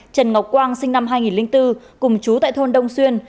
trần ngọc quang sinh năm hai nghìn bốn cùng chú tại thôn đông xuyên